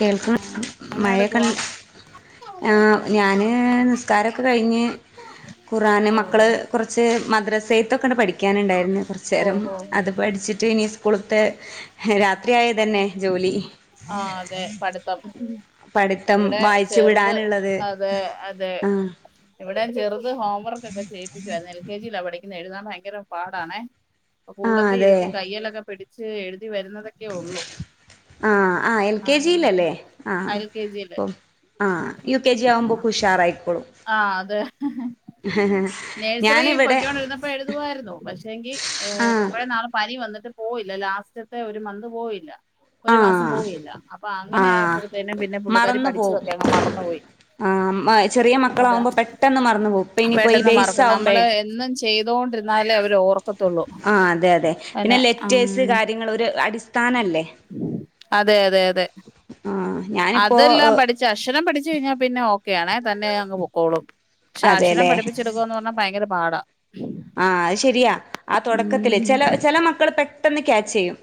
കേൾക്കുന്ന എന്നാ മഴ ക എടുക്കുവാ ഞാന് നിസ്കാരമൊക്കെ കഴിഞ്ഞ് ഖുറആൻ ഓ മക്കള് കുറച്ച് മദ്രസയത്തൊക്കെയ പഠിക്കാനുണ്ടായിരുന്നു കുറച്ച ഓ നേേരം ഓ അത് പഠിച്ചിട്ട് ഇനി പുളത്ത് രാത്രിയായ തന്നെ ജോലി ആഹ് അതെ പഠിത്തം പഠിത്തം ഇവിടെ വായിച്ചു ചെറുത് വിടാനുള്ളത് അതെ അതെ ആ ഇവിടെ ചെറുത് ഹോംവർക്ക് ഒക്കെ ചെയ്യിപ്പിക്കുവായിരുന്നു എൽ കെ ജിൽ പഠി ഇന്ന എഴുന്നതാൻ ഭയങ്കര പാടാണെ അപ്പ കൂടത്ത ഇരത്തി കൈയിലൊക്കെ പിഠിച്ച എടു ആഹ ആ എൽ കെ ആഹ് ജിയിലല്ലേ ആഹ എൽ കെ ജിയില് അപ്പം ആ് യു കെ ജി ആവുമ്പോ ഉഷാറായികോളും ആഹ അതെ നേഴ്സറി ഞാനിവിടെ പൊയ്ക്കോൊണ്ടിരുന്നപ്പോ എഴുതുായിരുന്നു പക്ഷെങ്കി ആ കുറെേ നാള് പ നി വന്നിട്ട് പോയില്ല ലാസ്റ്റത്തെ ഒരു മന്ത് പോയില്ല ആ ഒരു മാസം പോവയില്ല അപ്പൊ ആഹ് അങ്ങനെയപ്പോഴത്തേന്നും പിന്നെ പുള്ളിക്കാാര് മറന്നു പോവും പഠിച്ചതൊക്കെ അങ്ങ് മറന്നുപോയി അതാ മക്കളെവുമ്പൊ പെട്ടന്ന് മറന്നുപോകും അപ്പൊ ഇനിഇപ്പോ ഇ പെട്ടെന്ന് ബേസ് മറക്കും ആവുമ്പഴേ നമ്മള് എന്നും ചെയ്തോണ്ടിരുന്നാലേ അവര് ഓർക്കത്തുള്ളൂ അഹ് അതെ അതെ പിന്നെ അനെ ഉം ലെറ്റേഴ്സ് കാര്യങ്ങളൊരു അടിസ്ഥാന താനല്ലേ അതെ അതെ അതെ ആഹ് ഞാനിപ്പോ അതെല്ലാം പഠിച്ചു അക്ഷരം പഠിച്ചു കഴിഞ്ഞാ പിന്നെ ഒ ഒക്ക ആണെ തന്നെ അങ്ങ് പോക്കോളും ശാക്ഷനം പഠിപ്പിച്ചെടുക്കുവാ എന്ന് പറഞ്ഞാ ഭങ്കര പാടാ ആഹ അത് ശരിയാ ആ തുടക്കത്തില് ഉം ചില ചില മക്കൾ പെ പെട്ടെന്ന് ക്യാച്ച് ചെയ്യും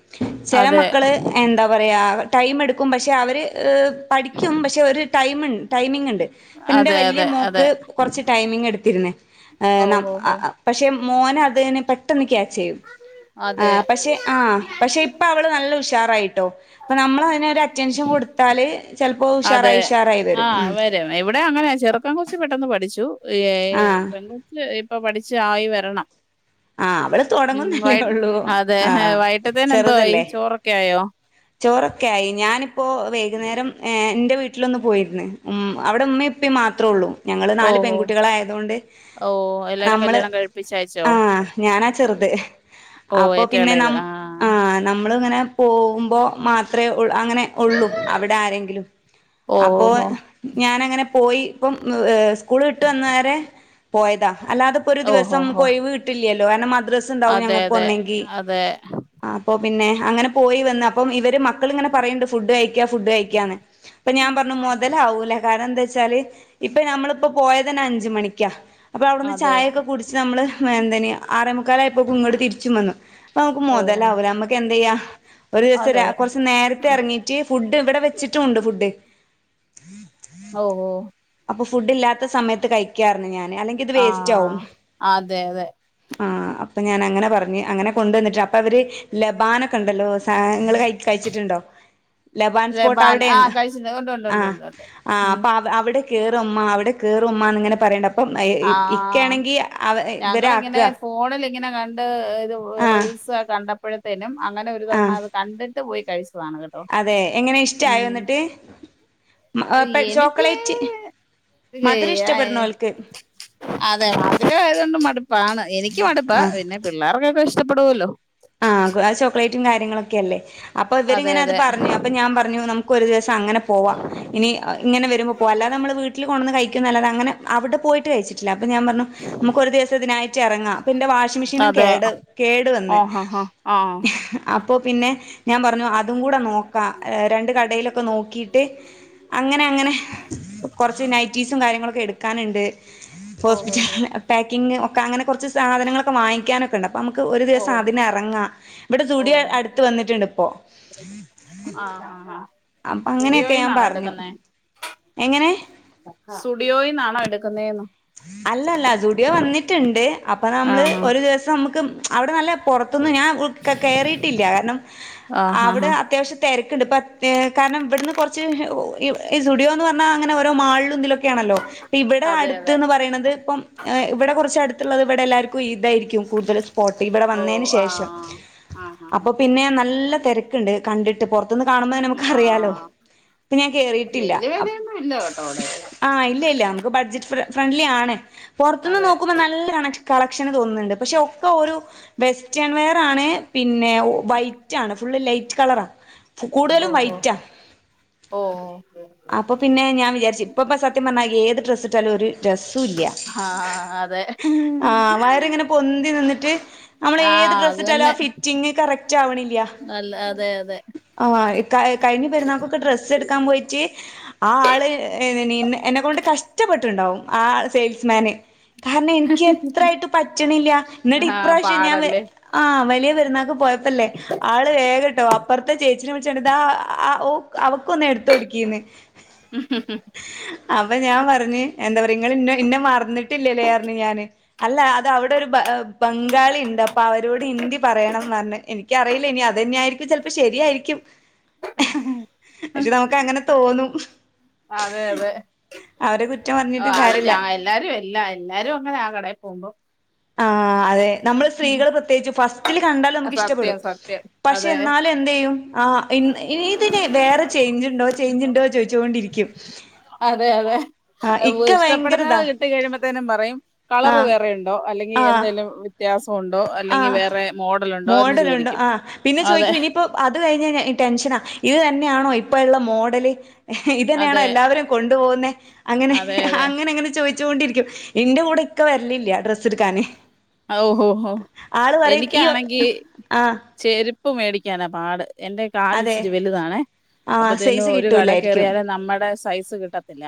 ചില അതെ മക്കള് എന്താ പറയാ ടൈമെടുക്കും പക്ഷെ അവർ പഠിക്കും പക്ഷെ ഒരു ടൈമുണ്ട് ടൈമിംഗ ഉണ്ട് ന്റെ അതെ വലിയ അതെ അതെ മോക്ക് കുറച്ച് ടൈമിംഗ് എടു [unintelligible] ന ആ ഓഹോഹോ ആ മോനെ അതിനെ പെട്ടെന്ന് ക്യാ അതെ പക്ഷെ ആ പക്ഷെ ഇപ്പ അവള് നല്ല ഉഷ ഉഷാറായിട്ടോ അപ്പൊ നമ്മൾ അതിന് ഒരു അറ്റൻഷൻ കൊടുത്താല് ചെലപ്പോ അതെ ഉഷാറായി ഉഷാറായി ആ വരും ഉം വരും ഇവിടെ അങ്ങനെയ ചെറുക്കൻ കൊച്ചു കുറച്ച് പെട്ടെന്ന് പഠിച്ചു ഏ ഏ ആ പെൺകൊച്ചെ എ ഇപ്പോ പഠിച്ചു ആയി വരണം ആ അവിടെ ഉം തുടങ്ങുന്നല്ലേ വൈ ഉള്ളൂ അതെ ആഹആ വൈകിട്ടത്തേന് എന്തോ ആയി ചെറുതല്ലേ ചോറൊക്കെ ആയോ ചോറൊക്കെ ആയി ഞാനിപ്പോ വൈകുന്നേരം എന്റെ വീട്ടിൽ വീട്ടിലൊന്ന് പോയിുന്ന ഉം അവിടെ ഉമ്മപ്പേ മാത്രേള്ളൂ ഞങ്ങൾ നാല് ഓഹോ പെൺകുട്ടികളായതുകൊണ്ട് ഓ എല്ലാരും നമ്മള് കല്യാണം കഴിപ്പിച്ചയച്ചോ ആ.. ഞാനാ ചെറുത് ഓ അപ്പൊ ഏറ്റവും പിന്നെ ന എളയത് ആഹ് നമ്മള് ഇങ്ങനെ പോകുമ്പോ മാത്രേ- അങ്ങനെ ഉള്ളൂ അവിടെ ആരെങ്കിലും ഓ അപ്പോ ഓ ഞാന്‍ ഞങ്ങനെ- പോയി ഇപ്പം സ്കൂൾ വിട്ട് വന്ന വേരെ പോയതാ അല്ലാതെപ്പോൊ ഒരു ഓ ഓ ദിവസം ഓ പോയി വീട്ട് കിലോയാണ് മത്തി ഒരു ദിവസം ഇണ്ടാവും അതെ ഞങ്ങക്ക് അതെ വന്നെങ്കിൽ അതെ ആ അപ്പോ പിന്നെ അങ്ങനെ പോയി വന്ന് അപ്പം ഇവർ മക്ക മക്കളിങ്ങനെ പറയുന്നുണ്ട് ഫുഡ് കഴിക്ക ഫുഡ് കഴിക്കാന്ന് അപ്പൊ ഞാൻ പറഞ്ഞു മോതലാവൂലേ കാരണം എന്താ വെച്ചാല് - ഇപ്പൊ ഞമ്മളിപ്പോ പോയത് തന്നെ അഞ്ച മണിക്കാ അപ്പോൾ അവിടുന്ന് അതെ ചായയൊക്കെ കുടിച്ച് നമ്മള് - എന്തിനു ആറമുക്കാല ആപ്പോ ഇങ്ങോട്ട് തിരിച്ചും വന്നു അപ്പ നമുക്ക് ഓ മുതലാവൂ നമുക്ക് എന്ത് ചെയ്യാ ഒരു അതെ ദിവസം കുറച്ച് നേരത്തെ എറങ്ങീട്ട് ഫുഡ് ഇവിടെ വെച്ചിട്ടും ഉണ്ട് ഫുഡ് ഓ ഓ അപ്പൊ ഫുഡ് ഇല്ലാത്ത സമയത്ത് കഴിക്കാായിരുന്നു ഞാൻ ആ അതെ അതെ ആ അപ്പൊ ഞാൻ അങ്ങനെ പറഞ്ഞു അങ്ങനെ കൊണ്ടുവന്നിട്ട് അപ്പൊ അവര് ലബാനൊക്കെ ഉണ്ടല്ലോ സാധനങ്ങള് ക കഴിച്ചിട്ടുണ്ടോ ലബാൻ സ്പോർട്ട് ആഹ് അവിടെുണ്ട് കഴിച്ചിട്ടുണ്ട് ഉണ്ട് ആ ഉണ്ട് ഉണ്ട് ഉണ്ട് ഉണ്ട് ആ അപ്പൊ അവിടെ- കേയറുമ്മ അവിടെ കേറുമ്മ എന്ന് ഇങ്ങനെ പറയ്ണ്ട് അപ്പം ഇക്ക ആഹ് ആണെങ്കി ഇവരെ ആക്ക്ക ഇങ്ങനെ കണ്ട് ഇത് റീൽസ് കണ്ടപ്പ അപ്പോഴത്തേനും അങ്ങനെ ഒരു തവണ ആഹ് അത് കണ്ട പോയി കഴിച്ചു അതെ എങ്ങനെ ഇഷ്ടായോ യെന്നിട്ട് എനിക്ക് ചോക്ലേറ്റ് മധുരം ഏ, ഇഷ്ടപ്പെടുന്നോൽക്ക് അതെ മധുര ആയതുകൊണ്ട് മടുപ്പാണ് എനിക്ക് മടുപ്പാ ആഹ് പിന്നെ പിള്ളേർക്കൊക്കെ ഇഷ്ട ഇഷ്ടപ്പെടുല്ലോ മറ്റും കാര്യങ്ങളൊക്കെ അല്ലേ അപ്പൊ അതെ ഇവരിങ്ങനെ അത് അതെ പറഞ്ഞു അപ്പൊ ഞാൻ പറഞ്ഞു നമുക്ക് ഒരു ദിവസം അങ്ങനെ പോവാ ഇനി ഇങ്ങനെ വരുമ്പോൾ പോവാ അല്ലാതെ നമ്മള് വീട്ടിൽ കൊണ്ടന്ന് കഴ- നല്ലത് അങ്ങനെ അവിടെ പോയിട്ട് കഴിച്ചിട്ടില്ല അപ്പൊ ഞാൻ പറഞ്ഞു നമുക്ക് ഒരു ദിവസം ഇതിനായിട്ട് ഇറങ്ങാം അപ്പ എന്റെ വാഷിംഗ് മെഷീനും കേട് കേടു വന്ന് ആഹ അപ്പോ പിന്നെ ഞാൻ പറഞ്ഞു അതും കൂടെ നോക്കാം രണ്ട് കടയിലൊക്കെ നോക്കിയിട്ട് അങ്ങനെ അങ്ങനെ കുറച്ച് നൈറ്റീസും കാര്യങ്ങളൊക്കെ എടുക്കാനുണ്ട് ഓഹോ ഹോസ്പിറ്റൽ ഹോ പേറ്റക്കിംഗ ക്കങ്ങെനെ കുറച്ച് സാധനങ്ങളൊക്ക വാങ്ങി ക്കാ ഒക്ക ഉണ്ട് അപ്പോൾ നമുക്ക് ഒരു ഓ ദിവം അതിന് എറങ്ങാം ഓ ആ അപ്പൊ അങ്ങനെയൊക്കെ ഞാൻ സുടിയോയിന്നാണോ പറഞ്ഞു എടുക്കുന്ന എങ്ങനെ സുടിയോയിന്നാണോ എടുക്കുന്നത് എന്നോ അല്ല അല്ല സുടിയോ വന്നിട്ടുണ്ട് അപ്പൊ ആ നമ്മള് ഒരു ദിവസം നമക്ക് അവിടെ നല്ല പോർ ത്ത്ന്ന് ഞാൻ ഉൾ കേറിട്ടില്ലകാരണം ആ ആ ആ അത്യാവിശ്യം തെര ണ്ട്പത്തേ കാരണം ഇവട്ന്ന് കുറച്ച്ഈ സറ്റുഡിയോ എന്ന് പറഞ്ഞാൽ അങ്ങനെ ഓരോ മാളിലുംതിലുക്കെ ക്യാണല്ലോ അപ്പോ ഇവിടെ അതെ അട് ദ് അതെ പറയ്ണത് ഇപ്പം ഇവിടെ കുറച്ചട് ത്ത്ള്ളത് വിടെ എല്ലർക്കു ഇതായിരിക്കും കൂടുതൽ സ്പോട്ടി ഇവിടെ ഓ വന്നതിന് ആ ശേഷം ആ ആ അപ്പൊ ആ പിന്നെ നല്ല തിരക്കുണ്ട് കണ്ടിട്ട് ന്റെപൊർ ദോന്ന് കാണുമ്പ ആ നമുക്കറിയാലോ അപ്പ ഞാൻ കേറിട്ടില്ല വല്യ വിലയൊന്നും ഇല്ല കേട്ടോ അവിടെ ആ ഇല്ലല്ല നമുക്ക് ബഡ്ജറ്റ് ഫ്രണ്ട്ലി ആണ് പുറത്തുന്ന് അതെ നോക്കുമ്പോൾ നല്ല കണക്ട് കളക്ഷന് തോന്നുന്നുണ്ട് പക്ഷെ ഒക്കെ ഒരു വെസ്റ്റേൺ വെയർ ആണ് പിന്നെ വൈറ്റ് ആണ് ഫുള്ള് ലൈറ്റ് കളറാണ് കൂടുതലും ഓഹോ വൈറ്റാ ഓ അപ്പൊ പിന്നെ ഞാൻ വിചാരിച്ചു ഇപ്പ ഇപ്പ സത്യം പറഞ്ഞാൽ ഏത് ഡ്ര തല ഒര് രസ് ഉല്യ ആ അതെ ആ വയറിങ്ങനെ പൊന്തി നിന്നിട്ട് [inaudible] ആ നമ്മളെത് അത് ഡ്രസ്ട്ടാലും ആ തന്നെ ഫിറ്റിംഗ് കറക്റ്റ് ആവണില്ല നല്ല അതെ അതെ ആ കഴിഞ്ഞ പെരുന്നാക്കക്കെ ഡ്രസ്സ് എടുക്കാൻ പോയി ചീ ആ ആള് എന്നെ കൊണ്ട് കഷ്ടപ്പെട്ടുണ്ടാവും ആ സെയിൽസ്മാന് കാരണം എനിക്ക് എത്രായിട്ട് പറ്റ്ണില്ല എന്നിട്ട് ആ ഇപ്രാവശ്യം ഞാൻ പാടല്ലേ ആ വല്യ പെരുന്നാക്ക് പോയ ത്തല്ലേ ആള് വേഗട്ടോ അപ്പുറത്തെ ചേച്ചി നെ വിളിച്ചണ്ട് ഇതാഓ അവക്കൊന്നു എടുത്ത്ട്ക്കീന്ന് അപ്പൊ ഞാൻ പറഞ്ഞു എന്താ പറ- നിങ്ങൾ ഇന്ന ഇന്നെ മറന്നിട്ടില്ലല്ലേ അന്ന് ഞാന് അല്ല അത് അവിടെ ഒരു ബംഗാളി ഉണ്ട് അപ്പൊ അവരോട് ഹിന്ദി പറയണംന്ന് പറഞ് എനിക്കറിയില്ല ഇനി തന്നെ യിരിക്കും ചിലപ്പോ ശരിയായിരിക്കും പക്ഷെ നമുക്ക് അങ്ങനെ- തോന്നും അതെ അതെ അവരെ കുറ്റം ഓ പറഞ്ഞിട്ടും അത് കാര്യല്ല ഞാ എല്ലാരും എല്ലാ എല്ലാരും അങ്ങനെ ആ കണേ [unintelligible] ആ അതെ നമ്മള് സ്ത്രീകള് പ്രത്യേകിച്ച് ഫസ്റ്റില് കണ്ടാലും നമുക്ക് ഇഷ്ടപ്പെടും സത്യം സത്യം പക്ഷെ അതെ എന്നാലും എന്ത് ചെയ്യും ആ ഇ ഇതിന് വേറെ ചേഞ്ച് ഉണ്ടോ ചേഞ്ച് ഉണ്ടോ ചോയിച്ചൊണ്ടിരിക്കും അതെ അതെ ഇഷ്ടപ്പെടുന്നത് കിട്ട കഴിയുമ്പോത്തേനും പറയും കളർ ആഹ് വേറെണ്ടോ അല്ലെങ്കിൽ എന്തെലും- ഗ്യാസ് ആ എന്ന് മോഡലുണ്ടോ ചോദിക്കും ആ പിന്നെ അതെ ചോദിക്കും ഇനിയിപ്പോ അത് കഴിഞ്ഞ- ടെൻഷനാ ഇത് തന്നെയാണോ ഇപ്പ ഉള്ള മോഡല് ഇത്തന്നെയാണോ അതെ എല്ലാവരും കൊണ്ടു പോകുന്നെ അങ്ങനെ അതെ അതെ അങ്ങനെ അങ്ങനെ ചോദിച്ച- വണ്ടിരിക്കും എന്റെ കൂടെ ഇക്ക വരലില്ല ആ ഡ്രസ്സ് എടുക്കാന് ഓഹഓ ആള് പറയും ഈ എനിക്കാണെങ്കിൽ ആഹ് ചേരു - പ് മേടിക്കാനാ പാട് എൻ്ന്റെ കാല് അതെ ച്ചിരി വലുതാണേ ആഹ് അപ്പൊ തേനു സൈസ് ഒരു കടെ കിട്ടൂലായിരിക്കും കേറിയാലേ നമ്മടെ സൈസ് കിട്ട എല്ല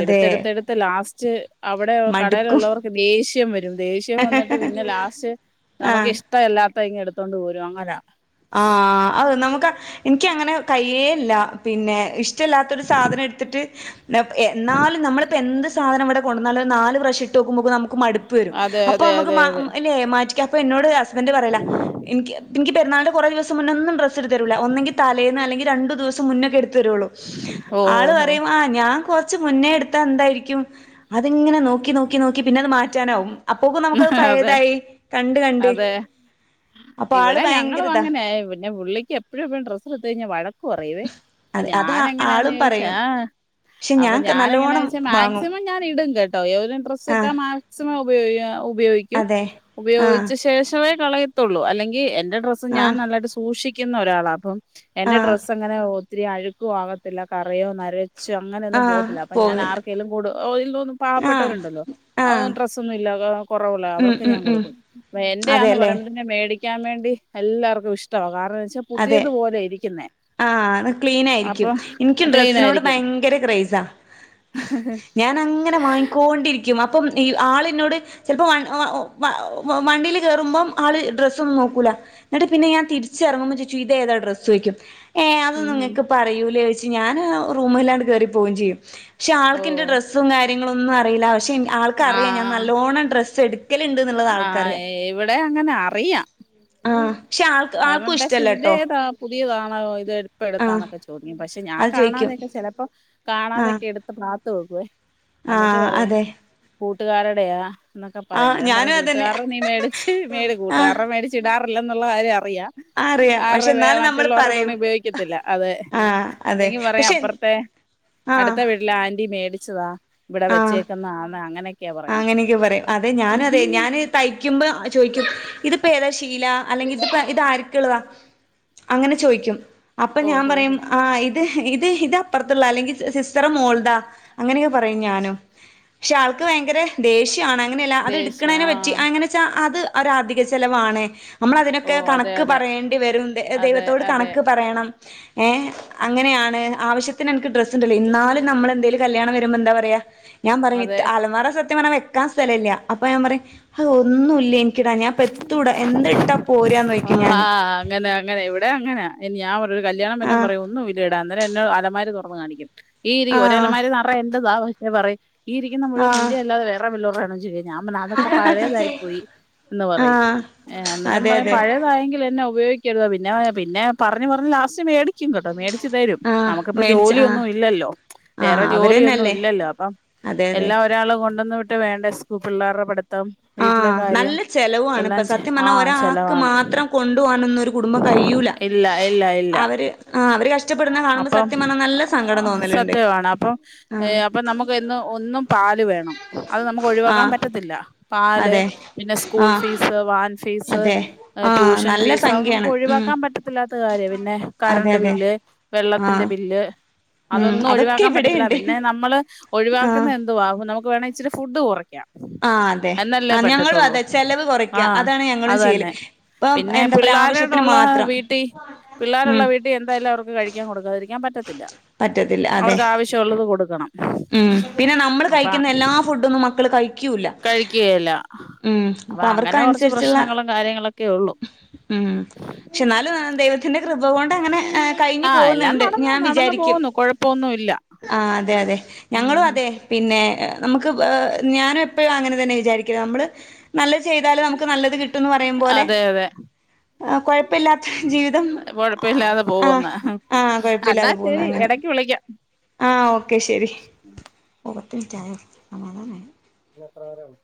അതെ എടുത്തെടുത്ത്ടുത്ത് ലാസ് ജ് അവിടെ മടുക്കും കടേലുള്ളവർക്ക് ദേഷ് ഷ്യം വരും ദേഷ്യം വന്ന് എ ലാസ്റ്റ് നമുക്ക് ആഹ് ഇഷ്ടല്ല അത്തങ്ടുത്തോണ്ട് പോരും അങ്ങനാ ക ഇൻക്ക്ങ്ങനെ കയ്യേല്ല. പിന്നെ ഇഷ് റ്റ ല്ലാത്തൊരു സാധനം എടുത്തിട്ട് നപ് എന്നാലും നമ്മളിപ്പോ എന്ത് സാധനം വടെ കൊണ്ട്വന്നാല് ര്നാല് പ്രാശട്ട് നോക്ക്മ്പൊക്ക നമ് ക്ക്മടുപ്പ് വരും അതെ അപ്പൊ അതെ മുക്ക് അതെ മ അതെ ല്ലേ മാറ്റ ഇപ്പ എന്നോട് ഹസ് ബന്റ് പറയല എനിക്ക് എനിക്ക് [unintelligible] കുറ ദിവസം മുന്നം തരൂല ഒന്ന്ങ്കി തലേന്ന് ല്ലങ്കി രണ്ടു ദിവസം മുന്പെ [inaudible] തരൂളു. ഓ ഓ ആള് ഓ പറയു ആ ഞാ ച്ച് മുന്നെ എടുത്ത എന്തായിരിക്കും അതെ ഇങ്ങനെ നോക്കി നോക്കി നോക്കി പിന്നെ അത് മാറ്റാനാവും അപ്പോക്ക് നമുക്കത് അതെ പയേതായി കണ്ട് കണ്ട് അതെ അപ്പൊ ആള് ഇവിടെ ഞങ്ങളും ഭയങ്കരതാ അങ്ങനെ പിന്നെ പുള്ളിക്കെപ്പഴും പ്പഴും ഡ്രസ് എടുത്ത് കഴഞ്ഞാ വഴ ക്ക്റയുവേ അതെ അത് ഞാനെങ്ങനാന്ന് ആളും ചോദിച്ചാ പറയും പക്ഷെ അപ്പൊ ഞാൻ എങ്ങനാ നല്ലോണം ചോച്ചാ വാങ്ങും മാക്സിമം ഞാൻ ഇടും ക ട്ടോ ഏതെലും ഡ്രസ് ഇട്ട ആഹ് മാക്സിമം [unintelligible] ഉപയോഗിക്കും അതെ ഉപയോഗി ആഹ് ച്ചവേ കളയത്തുള്ളൂ അല്ലെങ്കി എ ഡ്രസ് ഞാൻ ആഹ് നല്ലായിട്ട് സൂക്ഷിക്കു ക്കുന്ന ഒരാള അപ്പം എന്റെ ആഹ് ഡ്രസ് എങ്ങനെ ഒത്തിരി അഴുക്കും ആകത്തില്ല കറയോ നര ശ് അങ്ങനെയൊന്നും ആഹ് പോത്തില്ല അപ്പൊ ഞാൻ പോകുന്നില്ല ആർക്കെലുംകൊട് [unintelligible] ആഹ് പാവപ്പെട്ടവരുണ്ടല്ലോ ഓ ആഹ് ഡ്രസ്സൊന്നും ഇല്ല കൊറവൊള്ള ഉം അവർക്ക് ഉം ഞാൻ ഉം കൊടുക്കും എന്റെയാന്ന് അതെല്ലേ പറയുമ്പോത്തേ ന് മേടി ടിക്കാൻ വേണ്ടി എല്ലാവർക്കും ഇഷ്ടവാ കാര അതെ ആഹ അത് ക്ലീൻ ആയിരിക്കും അപ്പൊ എനിക്കും ക്ലീൻ ഡ്രസ്സിനോട് ആയിരിക്കും ഭയങ്കര ക്രൈസാ ഞാൻ അങ്ങനെ വാങ്ങിക്കോണ്ടിരിക്കും അപ്പം ഈ ആളന്നോട് ചിലപ്പോ വണ്ടിൽ കേയറുമ്പം ആള് ഡ്രസ്സ ഒന്നും നോക്കൂല എന്നിട്ട് പിന്നെ ഞാൻ തിരിച്ചറങ്ങും ച്ച് ഇത്ഏതാ ഡ്രസ്സ് ചോയ്ക്കും ഏഹ ഉം അതൊന്നും ഉം ങ്ങക്ക് പ്പറിയൂ ഞാൻ റൂമില്ലാണ്ട് കേറി പോവുകയും ചെയ്യും പക്ഷെ ഓ ആൾക്കെന്റെ ഡ്രസ്സും കാര്യ കാര്യങ്ങളൊന്നും അറില്ല പക്ഷ ആൾക്ക അറിയാം ഞാ നല്ലോണ്ണം ഡ്രസ്സ് സ്സെടു ആഹ് ഇവിടെ അങ്ങനെ അറിയാം ശ്ശെ ആൾക്ക് ആൾകുഷ പക്ഷെ ഇതേതാ പുതിയതാണോ ഇത് എപ്പ ആ എടുത്താ എന്നൊക്കെ ചോദിക്കം ഞാൻ അത് ചോദിക്കും കാണാതെയൊക്കെ ചിലപ്പോ കാണാതെൊക്കെ എടുത്ത പ്ര ത്ത് വെക്കവേ ആഹ അതെ കൂട്ടുകാരുടെയാ എന്നൊക്കെ ആ പറയാം അന്നേരം ഞാനും അതന്നെ പറയുംകൂട്ടുകാരടെ നീ മേടിച്ച് മേടി ആ കൂട്ടുകാരടെ മേടിച്ച് ഇടാറ ല്ല ന്നുള്ള കാര്യം ആഹ് അറിയാം പക്ഷെ എന്നാലും നമ്മള് മറ്റുള്ളവരുടെ പറയും തുണി ഉപയോഗിക്കത്തില്ല അതെ ആഹ് അതെ അല്ലെങ്കിൽ പറയാ പക്ഷെ അപ്പർത്തെ ആഹ് അടുത്ത വീട്ടിലാന്റി മേ ച്ചതാ ഇവിടെ ആഹ് വെച്ചേക്കുന്ന ആണ് അങ്ങനെ അങ്ങനെയൊക്കെ പറയും അതെ ഞാനു അതെ ഞാന് തയ്ക്കുമ്പോ ചോയ്ക്കും ഇതിപ്പോ ഏതാ ശീല അല്ലെങ്കില് ഇതാരിക്ക്‌ള്ളതാ അങ്ങനെ ചോയ്ക്കും അപ്പൊ ഞാൻ ഓഹോ പറയും ആ ഇത് ത് ഇതപ്പർത്തുള്ള അല്ലെങ്കിൽ സിസ്റ്ററെ മോൾതാ അങ്ങനെയൊക്കെ പറയും ഞാനും പക്ഷെ ആൾ ക്ക്‌ ഭയങ്കര ദേഷ്യ യാണ് അങ്ങനെയല്ല അത് ദേഷ്യം ആ എടുക്കണേെനെ പറ്റി ങ്ങനെച്ചാ അത് ഒരധിക ചെലവാണ് ഓ നമ്മളതിനൊക്കെ അതെ കണക്ക് അതെ പറയേണ്ടി വരും അതെ ദൈവത്തോട് അതെ കണക്ക് പറയണം ഏഹ് അങ്ങനെയാണ് ആവശ്യത്തിന് എനിക്ക് ഡ്രസ് ഇന്നാലും നമ്മളെന്തേലും കല്യാണം മ്പൊ ന്താ പറയാ ഞാൻ പറഞ്ഞ അതെ അലമാറ സത്യം പർഞ്ഞാ ക്കാൻ സ്ഥലല്ല അപ്പൊ ഞാൻ പറയും ഹൗ ഒന്നുല്ല ൻ ക്കിടാന് ഞാൻപ്പത്തൂടാ എന്തിട്ടാ പോരാന്നോയിക്കും ഞാന് ആഹ് അങ്ങനെ അങ്ങനെ ഇവിടെ അങ്ങനാ ഞാൻ ഒരു കല്യാണം വല്ലോം ആഹ് പറയോ ഒന്നും ഇല്ല അന്നേരം എന്നെ അലമാരി തുറന്നു കാണിക്കും ഈ ഇരി ആഹ് ഒരലമാരേ നറേ എന്റെ സാധനാ പറയും ഈ ഇരിക്കുന്ന മുഴുവൻ ആഹ് നിന്റെ അല്ലാതെ വേറെ വല്ലൊരുടേം [unintelligible] ഞാൻ പറഞ്ഞ് അതൊക്കെ പഴയതായി പോയി പറയും ആഹ് അന്നേരം അതെ പറയും അതെ പഴയതായങ്കില് തന്നെ ഉപയോഗിക്കരുത് പിന്നെ പിന്നെ പറഞ്ഞ് പറഞ്ഞ് ലാസ്റ്റ് മേടി ച്ചും കേട്ടോ മേടിച്ചു തരും ആഹ് നമുക്കിപ്പ മേടിച്ച ആഹ് ജോലിയൊന്നും ഇല്ലല്ലോ വേറെ ആഹ് ജോലി ഒന്നും അവരന്നല്ലേ ഇല്ലല്ലോ അപ്പം അതെ അതെ എല്ലാം ഒരാള് കൊണ്ടന്നു വിട്ട് വേണ്ട സ്കൂൾ പിള്ളേരുടെ പഠി മൊത്തം വീട്ടിലെ ആഹ് കാര്യം നല്ല ചെലവുമാണ് ഇപ്പൊ എല്ലാം സത്യം പറഞ്ഞാ ആഹ് ഒരാക്ക് ചെലവാണ് മാത്രം കൊണ്ടു പോകാനൊന്നും ഒരു കുടുംബം കഴിയൂല ഇല്ല ഇല്ല ഇല്ല അവര് ആഹ് അവര് കഷ്ടപ്പെടുന്ന കാണുമ്പോ അപ്പം സത്യം പറഞ്ഞാ നല്ല സങ്കടം തോന്നലുണ്ട് സത്യമാണ് അപ്പം ഏ ആഹ് അപ്പൊ നമുക്ക് എന്ന് ഒന്നും പാല് വേണം അത് നമുക്ക് ഒഴിവാക്കാൻ ആഹ് പറ്റത്തില്ല പാല് അതെ പിന്നെ സ് സ്കൂൾ ആഹ് ഫീസ് വാൻ ഫീസ് അതെ ആഹ് ട്യൂഷൻ നല്ല ഫീസ് അതൊന്നും നമുക്ക് സംഖ്യയാണ് ഉം ഒഴിവാക്കാൻ പറ്റത്തില്ലാത്ത കാര്യ പിന്നെ അതെ കറണ്ട് അതെ ബില് വെള്ളത്തിന്റെ ആഹ് ബില്ല് ഉം അതൊന്നും അതൊക്കെ ഒഴിവാക്കാൻ പറ്റത്തില്ല ഇവിടെയുണ്ട് പിന്നെ നമ്മള് ഒഴിവാക്കുന്ന ആഹ് എന്തുവാകും നമുക്ക് വേണെ ഇച്ചരി ഫുഡ് കുറക്കാം ആ അതെ ആ ഞങ്ങളും അതെ ചെലവ് ആ കൊറയ്ക്ക അതാണ് ഞങ്ങളും അത് ചെയ്യല് തന്നെ ഇപ്പം പിന്നെ എന്താ പറയാ ആവശ്യത്തിന് പിള്ളോരോടുള്ള മാത്രം വീട്ടിൽ പിള്ളേരുള്ള ഉം വീട്ടിൽ എന്തായാലും അവർക്ക് കഴിക്കാൻ കൊടുക്കാതി ഞാൻ പറ്റ പറ്റത്തില്ല അതെ കൊടുക്കണം മ് പിന്നെ നമ്മൾ അപ്പ കഴിക്കുന്ന എല്ലാ ഫുഡൊന്നും മക്കൾ കഴി ക്കൂല കഴിക്കുകയില്ല അപ്പൊ മ് അങ്ങനെ കുറച്ച് അവർക്കനുസരിച്ചുള്ള പ്രശ്നങ്ങളും കാര്യങ്ങളൊക്കെ ഉള്ളു മ് ക്ഷേ എന്നാലും ദൈവത്തിന്റെ കൃപ കൊണ്ട് അങ്ങനെ കഴിഞ്ഞു പോകുന്നുണ്ട് ഞാൻ വിചാരിക്ക പോന്നു കൊഴപ്പോന്നും ഇല്ല അതെ ഞങ്ങളും ഉം അതെ പിന്നെ നമുക്ക് ഞാന എപ്പോഴും അങ്ങനെ തന്നെ വിചാരിക്കില്ല നമ്മള് നല്ല ചെയ്താല് നമുക്ക് നല്ലത് കിട്ട ന്ന് പറയ പോലെ അതെ അതെ ആ കൊഴ ഴപ്പില്ലാത്ത ജീവിതം ആ കൊഴപ്പമില്ലാതെ ആ പോകുന്ന് ആ എന്നാ കുഴപ്പില്ലാതെ ശരി പോന്നങ്ങനെ ഇടക്ക് വിളിക്കാം ആ ഓക്കെ ശരി [unintelligible] എത്ര വരെയാണ്